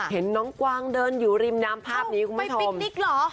เห็นน้องกวางเดินอยู่ริมน้ำภาพนี้คุณผู้ชมไปปิ๊กนิกเหรอ